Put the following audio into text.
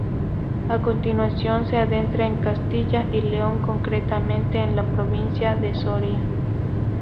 A continuación se adentra en Castilla y León concretamente en la provincia de Soria.